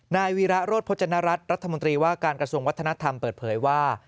นายวีระโรธพจนรัฐรัฐรัฐมนตรีว่าการกระทรวงวัฒนธรรมเปิดเผยว่า